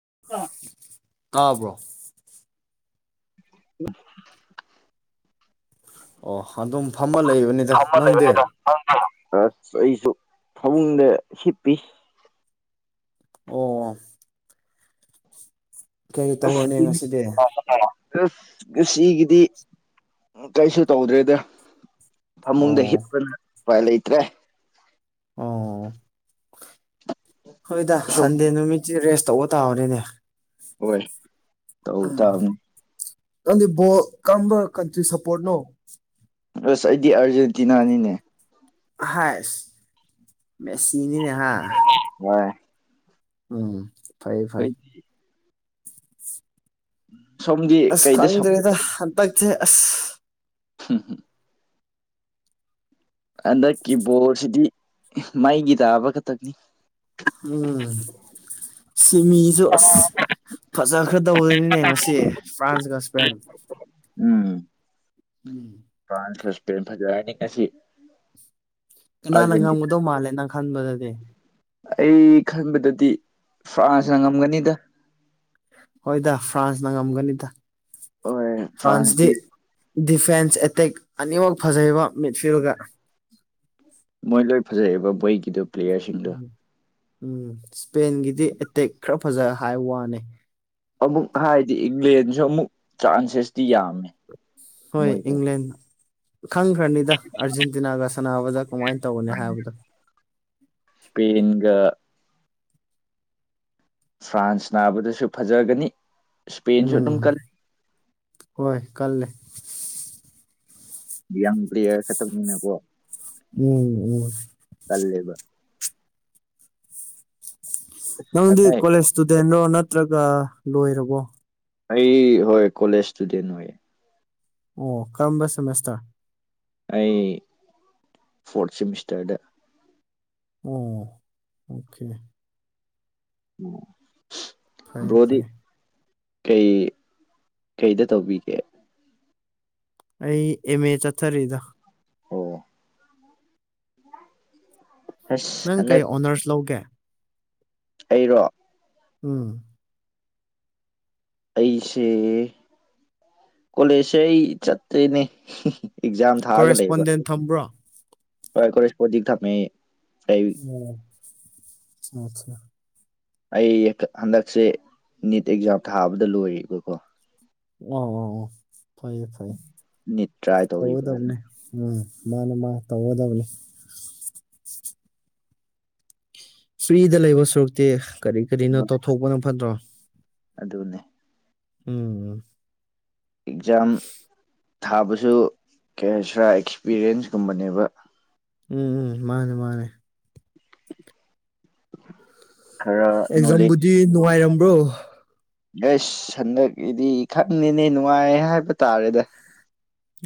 [unintelligible] ꯇꯥꯕ꯭ꯔꯣ [inaudible] ꯑꯣ ꯑꯗꯨꯝ ꯐꯝꯃ ꯂꯩꯕꯅꯤꯗ ꯐꯝꯃ ꯅꯪꯗꯦ ꯂꯩꯕꯅꯤꯗ ꯑꯁ ꯑꯩꯁꯨ ꯐꯃꯨꯡꯗ ꯍꯤꯞꯄꯤ ꯑꯣ ꯀꯩ ꯇꯧꯔꯅꯤ ꯉꯁꯤꯗꯤ [inaudible] ꯁꯤꯒꯤꯗꯤ ꯀꯩꯁꯨ ꯇꯧꯗ꯭ꯔꯦꯗ ꯐꯃꯨꯡꯗ ꯑꯣ ꯍꯤꯠꯄꯅ ꯎꯄꯥꯏ ꯂꯩꯇ꯭ꯔꯦ ꯑꯣ ꯍꯣꯏꯗ ꯁꯟꯗꯦ ꯁꯣꯝꯗꯤ ꯅꯨꯃꯤꯠꯁꯤ ꯔꯦꯁ ꯇꯧꯕ ꯇꯥꯕꯅꯤꯅꯦ ꯍꯣꯏ ꯇꯧꯕ ꯎꯝ ꯇꯥꯕꯅꯤ ꯅꯪꯗꯤ ꯕꯣꯜ ꯀꯔꯝꯕ ꯀꯟꯇ꯭ꯔꯤ ꯁꯞꯄꯣꯔꯠꯅꯣ ꯑꯁ ꯑꯩꯗꯤ ꯑꯥꯔꯖꯦꯟꯇꯤꯅꯥꯅꯤꯅꯦ ꯍꯥꯏ ꯃꯦ ꯁꯤꯅꯤꯅꯦꯍ [unintelligible] ꯎꯝ ꯐꯩ ꯐꯩ ꯑꯩꯈꯣꯏ ꯁꯣꯝꯗꯤ ꯑꯁ ꯀꯩꯗ ꯁꯞ ꯈꯪꯗ꯭ꯔꯗ ꯍꯟꯇꯦꯛꯁꯦ ꯍꯝ ꯍꯨꯝ ꯍꯟꯗꯛꯀꯤ ꯕꯣꯔꯁꯤꯗꯤ ꯃꯩꯒꯤ ꯇꯥꯕ ꯈꯛꯇꯛꯅꯤ ꯎꯝ ꯁꯤꯃꯤꯁꯨ ꯑ ꯐꯖꯈ꯭ꯔ ꯇꯧꯕꯗꯅꯤꯅꯦ ꯉꯁꯤ ꯐ꯭ꯔꯥꯟꯁꯀ ꯏꯁꯄꯦꯟ ꯎꯝ ꯎꯝ ꯐ꯭ꯔꯥꯟꯁ ꯁꯄꯦꯟ ꯐꯖ ꯌꯥꯅꯤ ꯀꯁꯤ ꯀꯅꯥꯅ ꯉꯝꯒꯗꯧ ꯃꯥꯜꯂꯦ ꯅꯪ ꯈꯟꯕꯗꯗꯤ ꯑꯩ ꯈꯟꯕꯗꯗꯤ ꯐ꯭ꯔꯥꯟꯁꯅ ꯉꯝꯒꯅꯤꯗ ꯍꯣꯏꯗ ꯐ꯭ꯔꯥꯟꯁꯅ ꯉꯝꯒꯅꯤꯗ ꯍꯣꯏ ꯐ꯭ꯔꯥꯟꯁꯗꯤ ꯐ꯭ꯔꯥꯟꯁꯇꯤ ꯗꯤꯐꯦꯟꯁ ꯑꯦꯇꯦꯛ ꯑꯅꯤꯃꯛ ꯐꯖꯕ ꯃꯤꯠꯐꯤꯜꯒ ꯃꯣꯏ ꯂꯣꯏ ꯐꯖꯕ ꯃꯣꯏꯒꯤꯗꯨꯣ ꯄ꯭ꯂꯦꯌꯔꯁꯤꯡꯗꯨꯣ ꯎꯝ ꯏꯁꯄꯦꯟꯒꯤꯗꯤ ꯑꯦꯇꯦꯛ ꯈꯔ ꯐꯖ ꯍꯥꯏꯕ ꯋꯥꯅꯦ ꯑꯃꯨꯛ ꯍꯥꯏꯗꯤ ꯏꯪꯂꯦꯟꯁꯨ ꯑꯃꯨꯛ ꯆꯥꯟꯁꯦꯁꯇꯤ ꯌꯥꯝꯃꯦ ꯍꯣꯏ ꯃꯣꯏꯁꯦ ꯏꯪꯂꯪꯂꯦꯟ ꯈꯪꯈ꯭ꯔꯅꯤꯗ ꯑꯥꯔꯖꯦꯟꯇꯤꯅꯥꯒ ꯁꯥꯟꯅꯕꯗ ꯀꯃꯥꯏꯅ ꯇꯧꯕꯅꯤ ꯍꯥꯏꯕꯗꯣ [unintelligible] ꯐ꯭ꯔꯥꯟꯁ ꯅꯥꯕꯗꯁꯨ ꯐꯖꯒꯅꯤ ꯏꯁꯄꯦꯟꯁꯨ ꯑꯗꯨꯝ ꯎꯝ ꯀꯜꯂꯤ ꯍꯣꯏ ꯀꯜꯂꯦ ꯁꯇꯅꯦꯣ ꯎꯝ ꯎꯝ ꯀꯜꯂꯦꯕ ꯅꯪꯗꯤ ꯑꯗꯩ ꯀꯣꯂꯦꯖ ꯏꯁꯇꯨꯗꯦꯟꯔꯣ ꯅꯠꯇ꯭ꯔꯒ ꯂꯣꯏꯔꯕꯣ ꯑꯩ ꯍꯣꯏ ꯀꯣꯂꯦꯖ ꯏꯁꯇꯨꯗꯦꯟ ꯑꯣꯏꯌꯦ ꯑꯣ ꯀꯔꯝꯕ ꯁꯦꯃꯦꯁꯇꯔ ꯑꯩ ꯐꯣꯔꯟ ꯁꯦꯃꯤꯁꯇꯔꯗ ꯑꯣ ꯑꯣꯀꯦ ꯐꯔꯦ ꯐꯔꯦ [unintelligible] ꯀꯩ ꯀꯩꯗ ꯇꯧꯕꯤꯒꯦ ꯑꯩ ꯑꯦꯝ ꯑꯦ ꯆꯠꯊꯔꯤꯗ ꯑꯣ [unintelligible] ꯑꯁ ꯅꯪ ꯀꯩ ꯍꯟꯗꯛ ꯑꯣꯅꯔꯁ ꯂꯧꯒꯦ ꯑꯩꯔꯣ ꯎꯝ ꯑꯩꯁꯦ ꯀꯣꯂꯦꯖꯁꯦ ꯑꯩ ꯆꯠꯇꯦꯅꯦ ꯑꯦꯛꯖꯥꯝ ꯊꯥꯛꯑꯒ ꯂꯩꯌꯦꯕ ꯀꯣꯔꯦꯁꯄꯣꯟꯗꯦꯟ ꯊꯝꯕ꯭ꯔꯣ ꯍꯣꯏ ꯀꯦꯁꯄꯣꯗꯤ ꯊꯝꯃꯦ ꯑꯣꯝ ꯑꯆꯥ ꯑꯩ ꯍꯟꯗꯛꯁꯦ ꯅꯤꯠ ꯑꯦꯛꯖꯥꯝ ꯊꯥꯕꯗ ꯂꯣꯏꯔꯔꯤꯕꯀꯣ ꯑꯣ ꯐꯩꯌꯦꯦ ꯐꯩꯦ ꯅꯤꯠ ꯇ꯭ꯔꯥꯏ ꯇꯋ ꯇꯧꯔꯤꯕ꯭ꯔꯥ ꯇꯕꯅꯤ ꯎꯝ ꯃꯥꯅ ꯃꯥ ꯇꯧꯒꯗꯕꯅꯤ ꯐ꯭ꯔꯤꯗ ꯂꯩꯕ ꯁꯔꯨꯛꯇꯤ ꯀꯔꯤ ꯀꯔꯤꯅꯣ ꯇꯧꯊꯣꯛꯄꯅ ꯐꯠꯇ꯭ꯔꯣ ꯑꯗꯨꯅꯦ ꯎꯝ ꯑꯦꯛꯖꯥꯝ ꯊꯥꯕꯁꯨ ꯀꯁꯔꯥ ꯑꯦꯛꯁꯄꯤꯔꯤꯌꯦꯟꯁꯀꯨꯝꯕꯅꯦꯕ ꯎꯝ ꯎꯝ ꯃꯥꯅꯦ ꯃꯥꯅꯦ ꯈꯔ ꯅꯣꯂꯖ ꯑꯦꯛꯖꯥꯝꯕꯨꯗꯤ ꯅꯨꯡꯉꯥꯏꯔꯝꯕ꯭ꯔꯣ ꯑꯩꯁ ꯍꯟꯗꯛꯀꯤꯗꯤ ꯈꯪꯉꯦꯅꯦ ꯅꯨꯡꯉꯥꯏ ꯍꯥꯏꯕ ꯇꯥꯔꯦꯗ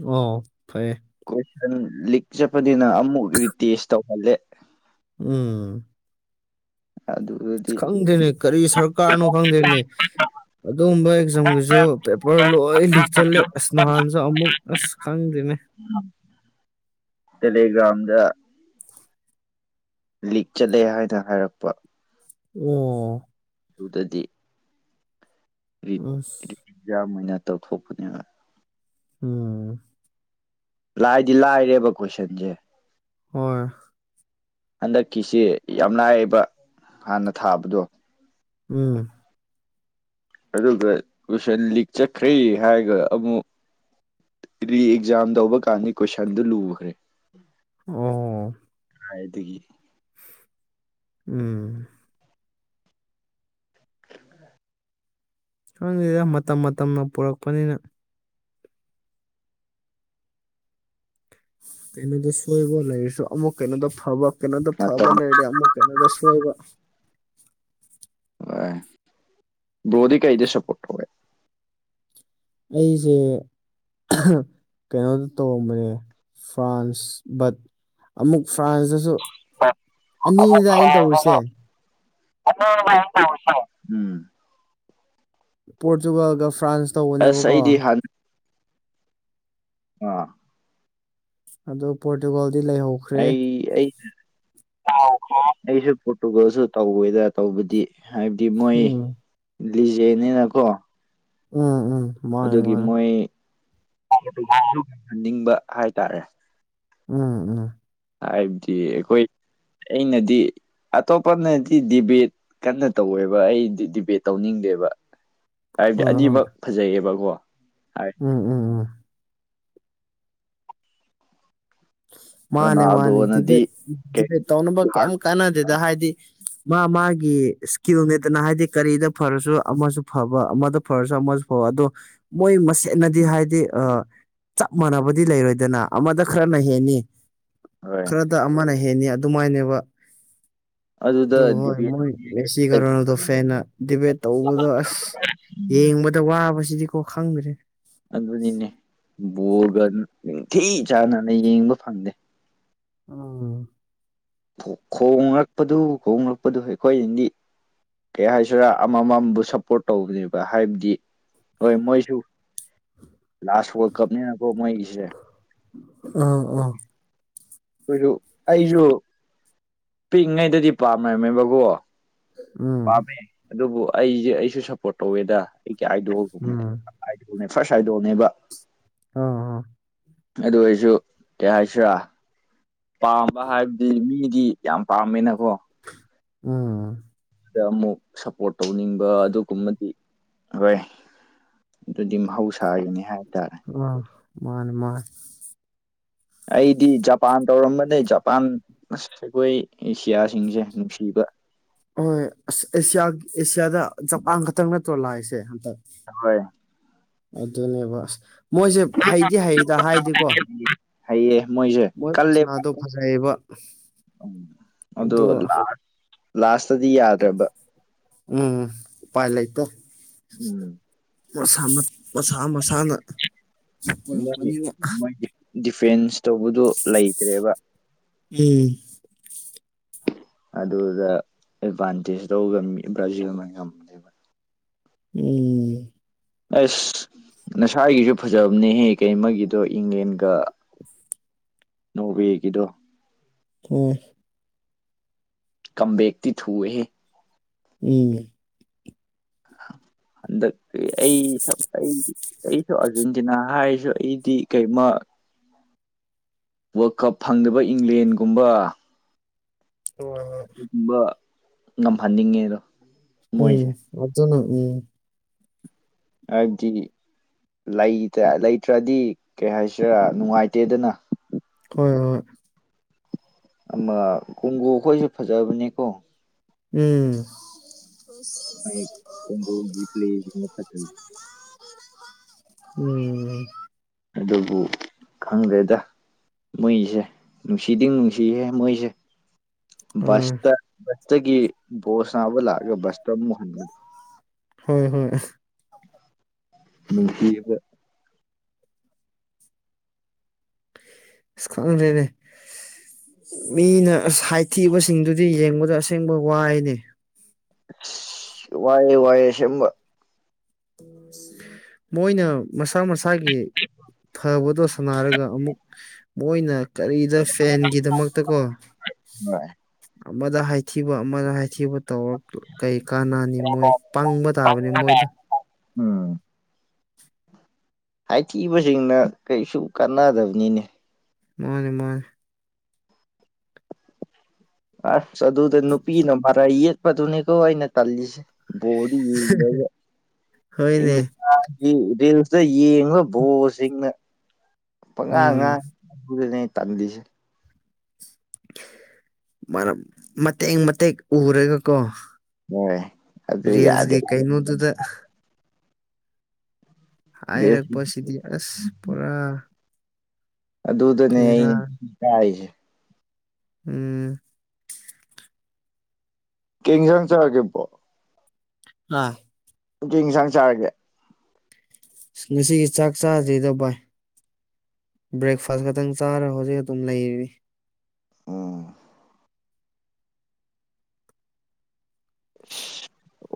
ꯑꯣ ꯐꯩꯌꯦ ꯀꯣꯏꯁꯟ ꯂꯤꯛ ꯆꯠꯄꯅꯤꯅ ꯑꯃꯨꯛ ꯔꯤꯇꯦꯁ ꯇꯧꯍꯜꯂꯦ ꯎꯝ ꯑ ꯑꯗꯨ ꯈꯪꯗꯦꯔꯤꯅꯦ ꯀꯔꯤ ꯁꯔꯀꯥꯔꯅꯣ ꯈꯪꯗꯦꯔꯤꯅꯦ ꯑꯗꯨꯒꯨꯝꯕ ꯑꯦꯛꯖꯥꯝꯒꯤꯁꯨ ꯄꯦꯄꯔ ꯂꯣꯏ ꯂꯤꯛ ꯆꯠꯂꯦ ꯑꯁ ꯅꯍꯥꯟꯁꯨ ꯑꯃꯨꯛ ꯑꯁ ꯈꯪꯗ꯭ꯅꯦ ꯇꯦꯂꯤꯒ꯭ꯔꯥꯝꯗ ꯂꯤꯛ ꯆꯠꯂꯦ ꯍꯥꯏꯅ ꯍꯥꯏꯔꯛꯄ ꯑꯣ ꯑꯗꯨꯗꯗꯤ ꯑꯁ ꯑꯦꯛꯖꯥꯝ ꯑꯣꯏꯅ ꯇꯧꯊꯣꯛꯄꯅꯦꯕ ꯎꯝ ꯂꯥꯏꯗꯤ ꯂꯥꯏꯔꯦꯕ ꯀꯣꯏꯁꯟꯁꯦ ꯍꯣꯏ ꯍꯟꯗꯛꯀꯤꯁꯤ ꯌꯥꯝ ꯂꯥꯏꯌꯦꯕ ꯍꯥꯟꯅ ꯊꯥꯕꯗꯣ ꯎꯝ ꯑꯗꯨꯒ ꯀꯨꯏꯁꯟ ꯂꯤꯛ ꯆꯠꯈ꯭ꯔꯦ ꯍꯥꯏꯔꯒ ꯑꯃꯨꯛ ꯔꯤꯑꯛꯖꯥꯝ ꯇꯧꯕ ꯀꯥꯟꯗ ꯀꯣꯏꯁꯟꯗꯨ ꯂꯨꯈ꯭ꯔꯦ ꯑꯣ ꯑ ꯏꯗꯨꯗꯒꯤ ꯎꯝ ꯁꯁꯤꯗ ꯃꯇꯝ ꯃꯇꯝꯅ ꯄꯨꯔꯛꯄꯅꯤꯅ ꯀꯩꯅꯗꯣ ꯁꯣꯏꯕ ꯂꯩꯁꯨ ꯑꯃꯨ ꯀꯩꯅꯗꯣ ꯐꯕ ꯀꯅꯗꯣ ꯐꯕ ꯃꯇꯝ ꯂꯔꯤ ꯑꯃꯨ ꯀꯩꯅꯣꯗꯁꯨ ꯑꯣꯏꯕ ꯑꯣ ꯭ꯔꯣꯗꯤ ꯀꯩꯗ ꯁꯄ ꯑꯩꯁꯦ ꯀꯩꯅꯣꯗ ꯇꯧꯔꯝꯕꯅꯦ ꯐ꯭ꯔꯥꯟꯁ ꯕꯠ ꯑꯃꯨꯛ ꯐ꯭ꯔꯥꯟꯁꯇꯁꯨ ꯑꯅꯤꯅꯤꯗ ꯑꯩꯅ ꯇꯧꯔꯤꯁꯦ ꯀ ꯇꯁ ꯎꯝ ꯄꯣꯔꯇꯨꯒꯜꯒ ꯐ꯭ꯔꯥꯟꯁ ꯑꯁ ꯇꯧꯕꯅꯦꯕꯀꯣ ꯑꯩꯗꯤ ꯎꯝ ꯑꯗꯣ ꯄꯣꯔꯇꯨꯒꯜꯗꯤ ꯂꯩꯍꯧ ꯑꯩ ꯑꯩꯁꯨ ꯄꯣꯔꯇꯨꯒꯜꯁꯨ ꯇꯧꯋꯦꯗ ꯇꯧꯕꯗꯤ ꯍꯥꯏꯕꯗꯤ ꯃꯣꯏ ꯎꯝ ꯂꯤꯖꯩꯅꯤꯅꯀꯣ ꯎꯝ ꯎꯝ ꯃꯥꯅꯦ ꯑꯗꯨꯒꯤ ꯃꯥꯅꯦ ꯃꯣꯏꯍꯟꯅꯤꯡꯕ ꯍꯥꯏꯇꯥꯔꯦ ꯎꯝ ꯎꯝ ꯍꯥꯏꯕꯗꯤ ꯑꯩꯈꯣꯏ ꯑꯩꯅꯗꯤ ꯑꯇꯣꯞꯄꯅꯗꯤ ꯗꯤꯕꯦꯠ ꯀꯟꯅ ꯇꯧꯋꯦꯕ ꯑꯩ ꯗꯤꯕꯦꯠ ꯇꯧꯅꯤꯡꯗꯦꯕ ꯍꯥꯏꯕꯗꯤ ꯍꯣꯏ ꯍꯣꯏ ꯑꯅꯤꯃꯛ ꯐꯖꯩꯑꯕꯀꯣ ꯍꯥꯏ ꯎꯝ ꯎꯝ ꯎꯝ ꯃꯥꯅꯦ ꯃꯥꯅꯦ ꯔꯣꯅꯥꯜꯗꯣꯅꯗꯤ ꯗꯤꯕꯦꯠ ꯀꯩ ꯗꯤꯚꯦꯠ ꯇꯧꯅꯕ ꯀꯩ ꯀꯥꯟꯅꯗꯦꯗ ꯍꯥꯏꯗꯤ ꯃꯥ ꯃꯥꯒꯤ ꯏꯁꯀꯤꯜꯅꯦꯗꯅ ꯍꯥꯏꯗꯤ ꯀꯔꯤꯗ ꯐꯔꯁꯨ ꯑꯃꯁꯨ ꯐꯕ ꯑꯃꯗ ꯐꯔꯁꯨ ꯑꯃꯁꯨ ꯑꯣ ꯑꯗꯣ ꯃꯣꯏꯁ ꯍꯦꯠꯟꯅꯗꯤ ꯍꯥꯏꯗꯤ ꯑ ꯆꯞ ꯃꯥꯟꯅꯕꯗꯤ ꯂꯩꯔꯣꯏꯗꯅ ꯑꯃꯗ ꯈꯔꯅ ꯍꯦꯟꯅꯤ ꯍꯣꯏ ꯈꯔꯗ ꯑꯃꯅ ꯍꯦꯟꯅꯤ ꯑꯗꯨꯃꯥꯏꯅꯦꯕ ꯑꯗꯨꯗ ꯑꯗꯨ ꯍꯣꯏ ꯗꯤꯕꯦꯠ ꯃꯣꯏ ꯇꯧꯅꯤꯡꯉꯥꯏ ꯦꯁꯤ ꯀꯩꯁꯨ ꯂꯩꯇꯦ ꯀꯔꯣꯅꯗꯣ ꯐꯦꯟꯅ ꯗꯤꯕꯦꯠ ꯇꯧꯕꯗꯣ ꯑꯁ ꯌꯦꯡꯕꯗ ꯑ ꯗ ꯋꯥꯕꯁꯤꯗꯤꯀꯣ ꯈꯪꯗ꯭ꯔꯦ ꯑꯗꯨꯅꯤꯅꯦ ꯕꯣꯔꯒ ꯅꯤꯡꯊꯤ ꯆꯥꯅꯅ ꯌꯦꯡꯕ ꯐꯪꯗꯦ ꯎ ꯈꯣꯡꯂꯛꯄꯗꯨ ꯈꯣꯡꯂꯛꯄꯗꯨ ꯑꯩꯈꯣꯏꯗꯤ ꯀꯩ ꯍꯥꯏꯁꯤꯔꯥ ꯑꯃꯃꯝꯕꯨ ꯁꯞꯄꯣꯔꯠ ꯇꯧꯕꯅꯦꯕ ꯍꯥꯏꯕꯗꯤ ꯍꯣꯏ ꯃꯣꯏꯁꯨ ꯂꯥꯁ ꯋꯥꯔꯜ ꯀꯞꯅꯤꯅꯀꯣ ꯃꯣꯏꯒꯤꯁꯦ ꯑ ꯑꯣ ꯀꯣꯏꯁꯨ ꯑꯩꯁꯨ ꯄꯤꯛꯏꯉꯩꯗꯗꯤ ꯄꯥꯝꯅꯔꯝꯃꯦꯕꯀꯣ ꯎꯝ ꯄꯥꯝꯃꯦ ꯑꯗꯨꯕꯨ ꯑꯩꯁꯦ ꯑꯩꯁꯨ ꯁꯞꯄꯣꯔꯠ ꯇꯧꯋꯦꯗ ꯑꯩ ꯀꯌꯥ ꯍꯥꯏꯗꯒꯨꯝꯃꯦ ꯎꯝ ꯑꯥꯏꯗꯣꯜꯅꯦ ꯐꯥꯔꯁ ꯑꯥꯏꯗꯣꯜꯅꯦꯕ ꯑꯥ ꯑ ꯑꯗꯨ ꯑꯩꯁꯨ ꯀꯩ ꯍꯥꯏꯁꯤꯔꯥ ꯄꯥꯝꯕ ꯍꯥꯏꯕꯗꯤ ꯃꯤꯒꯤ ꯌꯥꯝ ꯄꯥꯝꯃꯤꯅꯀꯣ ꯎꯝ ꯗ ꯑꯃꯨꯛ ꯁꯞꯄꯣꯔꯠ ꯇꯧꯅꯤꯡꯕ ꯑꯗꯨꯒꯨꯝꯃꯗꯤ ꯍꯣꯏ ꯑꯗꯨꯗꯤ ꯃꯍꯧꯁꯥꯒꯅꯤ ꯍꯥꯏꯇꯥꯔꯦ ꯑ ꯃꯥꯅꯦ ꯃꯥꯅꯦ ꯑꯩꯗꯤ ꯖꯄꯥꯟ ꯇꯧꯔꯝꯕꯅꯦ ꯖꯄꯥꯟ ꯑꯩꯈꯣꯏ ꯑꯦꯁꯤꯌꯥꯁꯤꯡꯁꯦ ꯅꯨꯡꯁꯤꯕ ꯍꯣꯏꯁ ꯑꯦꯁꯤꯌꯥ ꯑꯦꯁꯤꯌꯥꯗ ꯖꯄꯥꯟ ꯈꯛꯇꯪ ꯅꯠꯇ꯭ꯔꯣ ꯂꯥꯛꯏꯁꯦ ꯍꯟꯗꯛ ꯍꯣꯏ ꯑꯗꯨꯅꯦꯕꯁ ꯃꯣꯏꯁꯦ ꯍꯩꯗꯤ ꯍꯩꯗ ꯍꯥꯏꯗꯤꯦꯀꯣ ꯍꯥꯏꯌꯦ ꯃꯣꯏꯁꯨ ꯃꯣꯏ ꯈꯨꯣꯏꯁꯅꯥꯗꯨꯣ ꯐꯖꯩꯕ ꯎꯝ ꯑꯣ ꯂꯥꯁ ꯂꯥꯁꯇꯗꯤ ꯌꯥꯗ꯭ꯔꯕ ꯎꯝ ꯄꯥꯏ ꯂꯩ ꯏꯇ ꯎꯝ ꯁ ꯃꯁꯥ ꯃꯁꯥꯅ ꯃꯣꯏ ꯆꯔꯛꯄꯅꯤꯅ ꯃꯣꯏ ꯗꯤꯐꯦꯟꯁ ꯇꯧꯕꯗꯨꯣ ꯂꯩꯇ꯭ꯔꯦꯕ ꯎꯝ ꯑꯗꯨꯗ ꯑꯦꯗꯚꯥꯟꯇꯦꯖ ꯇ ꯕ꯭ꯔꯥꯖꯤꯜ ꯑꯃ ꯉꯅꯦꯕ ꯎꯝ ꯑꯁ ꯉꯁꯥꯏꯒꯤꯁꯨ ꯐꯖꯕꯅꯦꯍꯦ ꯀꯩ ꯃꯣꯏꯒꯤꯗꯣ ꯏꯪꯂꯦꯟꯒ꯫ ꯅꯣꯔꯋꯦꯒꯤꯗꯣ ꯎꯝ ꯀꯝꯕꯦꯛꯇꯤ ꯊꯨꯋꯦꯍꯦ ꯎꯝ ꯍꯟꯗꯛ ꯑꯩ ꯑꯩ ꯑꯩꯁꯨ ꯑꯥꯔꯖꯦꯟꯇꯤꯅꯥ ꯍꯥꯏꯔꯁꯨ ꯑꯩꯗꯤ ꯀꯩꯃ ꯋꯥꯔꯜ ꯀꯞ ꯐꯪꯗꯕ ꯏꯪꯂꯦꯟꯒꯨꯝꯕ ꯍꯣꯏ ꯍꯣꯏ ꯑꯗꯨꯒꯨꯝꯕ ꯉꯝꯍꯟꯅꯤꯡꯉꯦ ꯑꯗꯣ ꯎꯝ ꯑꯗꯨꯖꯅ ꯎꯝ ꯍꯥꯏꯕꯗꯤꯇ ꯂꯩꯇ꯭ꯔꯗꯤ ꯀꯩ ꯍꯥꯏꯁꯤꯔꯥ ꯅꯨꯡꯉꯥꯏꯇꯦꯗꯅ ꯍꯣꯏ ꯍꯣꯏ ꯑꯃ ꯀꯣꯡꯒꯨ ꯑꯩꯈꯣꯏꯁꯨ ꯐꯖꯕꯅꯤꯀꯣ ꯎꯝ ꯀꯣꯒꯤ ꯄ꯭ꯂꯦ ꯐ ꯎꯝ ꯑꯗꯨꯕꯨ ꯈꯪꯗ꯭ꯔꯦꯗ ꯃꯣꯏꯁꯦ ꯅꯨꯡꯁꯤꯗꯤ ꯅꯨꯡꯁꯤꯍꯦ ꯃꯣꯏꯁꯦ ꯎꯝ ꯕꯁꯇ ꯕꯁꯇꯒꯤ ꯕꯣꯜ ꯁꯟꯅꯥꯕ ꯂꯥꯛꯑꯒ ꯕꯁꯇ ꯑꯃꯨꯛ ꯍꯟꯕ ꯍꯣꯏ ꯍꯣꯏ [unintelligible] ꯏꯁ ꯈꯪꯗꯦꯅꯤ ꯃꯤꯅ ꯑꯁ ꯍꯥꯏꯊꯤꯕꯁꯤꯡꯗꯨꯗꯤ ꯌꯦꯡꯕꯗ ꯑꯁꯦꯡꯕ ꯋꯥꯏꯅꯤ ꯋꯥꯏꯌꯦ ꯋꯥꯏꯌꯦ ꯁꯦꯡꯕꯥ ꯃꯣꯏꯅ ꯃꯁꯥ ꯃꯁꯥꯒꯤ ꯐꯕꯗꯣ ꯁꯥꯟꯅꯔꯒ ꯑꯃꯨꯛ ꯃꯣꯏꯅ ꯀꯔꯤꯗ ꯄꯦꯟꯒꯤꯗꯃꯛꯇꯀꯣ ꯍꯣꯏ ꯑꯃꯗ ꯍꯥꯏ ꯊꯤꯕ ꯑꯃꯗ ꯍꯥꯏꯊꯤꯕ ꯇꯧꯔ ꯀꯩ ꯀꯥꯟꯅꯅꯤ ꯃꯣꯏ ꯄꯪꯕ ꯇꯥꯕꯅꯤ ꯃꯣꯏꯗ ꯎꯝ ꯍꯥꯏꯊꯤꯕꯁꯤꯡꯅ ꯀꯩꯁꯨ ꯀꯥꯟꯅꯗꯕꯅꯤꯅꯦ ꯃꯥꯅꯦ ꯃꯥꯅꯦ ꯑꯁ ꯑꯗꯨꯗ ꯅꯨꯄꯤꯅ ꯃꯥꯔꯩ ꯌꯦꯛꯄꯗꯨꯅꯦꯀꯣ ꯑꯩꯅ ꯇꯜꯂꯤꯁꯦ ꯕꯣꯜꯗꯤ [unintelligible] ꯍꯣꯏꯅꯦ ꯑꯩꯅꯥ [unintelligible] ꯔꯤꯜꯁꯇ ꯌꯦꯡꯉꯥ ꯕꯣꯜꯁꯤꯡꯅ ꯄꯪꯉꯥꯡ ꯎꯝ ꯉꯥꯡꯏ [unintelligible] ꯇꯜꯂꯤꯁꯦ ꯃꯔꯝ ꯃꯇꯦꯛ ꯃꯇꯦꯛ ꯎꯔꯒꯀꯣ ꯍꯣꯏ ꯑꯗꯨ ꯌꯥꯗꯦ ꯔꯤꯜꯁꯒꯤ ꯀꯩꯅꯣꯗꯨꯗ ꯍꯥꯏꯔꯛꯄꯁꯤꯗꯤ ꯑꯁ ꯄꯨꯔꯥ ꯑꯗꯨꯗꯅꯦ ꯐꯦꯔꯥ ꯑꯩꯅ ꯏ ꯀꯥꯏꯁꯦ ꯎꯝ ꯀꯩ ꯏꯟꯖꯥꯡ ꯆꯔꯒꯦ ꯕꯔꯣ꯫ ꯑꯥ [unintelligible] ꯏꯟꯁꯥꯡ ꯆꯥꯔꯒꯦ ꯉꯁꯤꯒꯤ ꯆꯥꯛ ꯆꯥꯗꯔꯤꯗ ꯚꯏ ꯕ꯭ꯔꯦꯛꯐꯥꯁ ꯈꯛꯇꯪ ꯆꯥꯔ ꯍꯧꯖꯤꯛ ꯑꯗꯨꯝ ꯂꯩꯔꯤ ꯑꯣ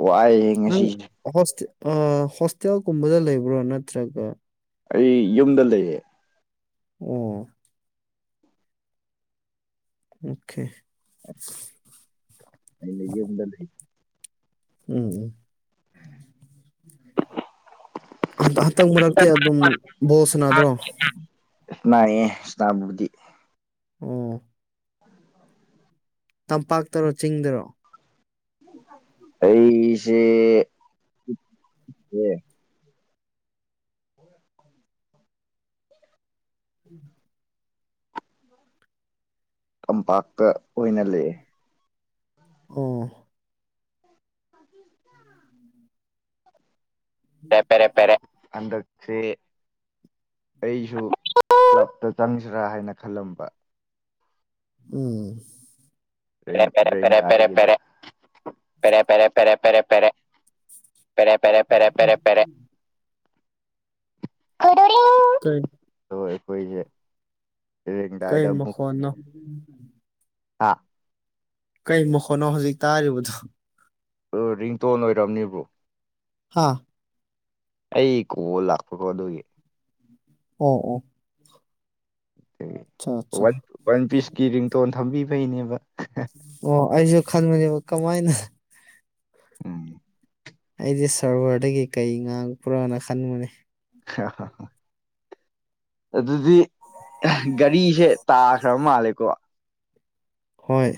ꯋꯥꯏꯌꯦ ꯉꯁꯤꯁꯦ ꯍꯣꯁ ꯑꯥ ꯍꯣꯁꯇꯦꯜꯒꯨꯝꯕꯗ ꯂꯩꯕ꯭ꯔꯣ ꯅꯠꯇ꯭ꯔꯒ ꯑꯩ ꯌꯨꯝꯗ ꯂꯩꯌꯦ ꯑꯣ ꯑꯣꯀꯦ ꯑꯩꯅ ꯌꯨꯝꯗ ꯂꯩ ꯎꯝ ꯎꯝ ꯍꯟꯇꯛ ꯃꯔꯛꯇꯤ ꯑꯗꯨꯝ ꯕꯣꯁꯅꯗ꯭ꯔꯣ ꯅꯥꯏꯌꯦꯦ ꯁ ꯅꯥꯕꯨꯗꯤ ꯎ ꯇꯝꯄꯥꯛꯇꯔꯣ ꯆꯤꯡꯗꯔꯣ ꯑꯩꯁꯦ ꯑꯦ [inaudible] ꯀꯝꯄꯥꯛ ꯑꯣ ꯄꯦꯔꯦ ꯄꯦꯔꯦ ꯄꯦꯔꯦ [inaudible] ꯍꯟꯗꯛꯁꯦ ꯑꯩꯁꯨ ꯀꯞꯇ ꯆꯪꯁꯤꯔꯥ ꯍꯥꯏꯅ ꯈꯜꯂꯝꯕ ꯎꯝ ꯦꯔꯦꯔꯦꯕꯔꯦꯕꯔꯦ ꯐꯔꯦ ꯄꯔꯦ ꯄꯔꯦ ꯄꯔꯦ ꯄꯔꯦ ꯐꯔꯦ ꯄꯦꯔꯦ ꯄꯦꯔꯦ ꯄꯦꯔꯦ ꯄꯦꯔꯦ ꯀꯩ ꯍꯣꯏꯈꯣꯏꯁꯦ ꯀꯩ ꯗꯥꯗ ꯃꯈꯣꯟꯅꯣ ꯍꯥ ꯀꯩ ꯃꯈꯣꯣꯠꯅꯣ ꯍꯧꯖꯤꯛ ꯇꯥꯔꯤꯕꯗꯣ ꯔꯤꯡꯇꯣꯟ ꯑꯣꯏꯔꯝꯅꯦꯕ꯭ꯔꯣ ꯍꯥꯥ ꯑꯩ ꯀꯣ ꯂꯥꯛꯄꯀꯣ ꯑꯗꯨꯒꯤ ꯑꯣ ꯑꯣ ꯑꯆꯥ ꯑꯠꯆꯥ ꯑ ꯋꯥꯟ ꯄꯤꯁꯀꯤ ꯔꯤꯡꯇꯣꯟ ꯊꯝꯕꯤꯕꯩꯅꯦꯕ ꯑꯣ ꯑꯩꯁꯨ ꯈꯟꯕꯅꯦꯕ ꯀꯃꯥꯏꯅ ꯎꯝ ꯑꯩꯗꯤ ꯁꯔꯚꯔꯗꯒꯤ ꯀꯩ ꯉꯥꯡꯉꯄ꯭ꯔꯣꯅ ꯈꯟꯕꯅꯦ ꯍ ꯑꯗꯨꯗꯤ ꯒꯥꯔꯤꯁꯦ ꯇꯥꯈ꯭ꯔ ꯃꯥꯜꯂꯦꯀꯣ ꯍꯣꯏ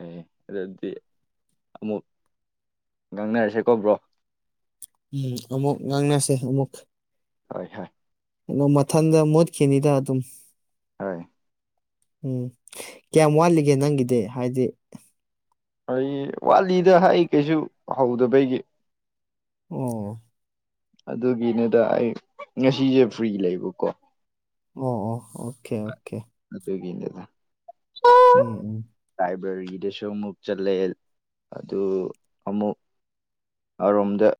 ꯑꯦ ꯑꯗꯨꯗꯤ ꯑꯃꯨꯛ ꯉꯥꯡꯅꯔꯁꯦꯀ ꯭ꯔꯣ ꯎꯝ ꯑꯃꯃꯨꯛ ꯉꯥꯡꯅꯁꯦ ꯑꯃꯨꯛ ꯍꯣꯏ ꯍꯣꯏ ꯩꯅꯣ ꯃꯊꯟꯗ ꯃꯣꯠ ꯈꯈꯤꯅꯤꯗ ꯑꯗꯨ ꯍꯣꯏ ꯎꯝ ꯀꯌꯥꯝ ꯋꯥꯠꯂꯤꯒꯦ ꯅꯪꯒꯤꯗꯤ ꯍꯥꯏꯗꯤ ꯑꯩ ꯋꯥꯂꯤꯗ ꯍꯥꯏ ꯀꯩꯁꯨ ꯍꯧꯗꯕꯩꯒꯤ ꯎꯝ ꯑꯗꯨꯒꯤꯅꯦꯗ ꯑꯩ ꯉꯁꯤꯁꯦ ꯐ꯭ꯔꯤ ꯂꯩꯕꯀꯣ ꯑꯣ ꯑꯣ ꯑꯣꯀꯦ ꯑꯣꯀꯦ ꯑꯗꯨ ꯇꯒꯗ ꯎꯝ ꯎꯝ ꯂꯥꯏꯕ꯭ꯔꯦꯔꯤꯗꯁꯨ ꯑꯃꯨꯛ ꯆꯠꯂꯦ ꯑꯗꯨ ꯑꯃꯨꯛ ꯑꯃꯔꯣꯝꯗ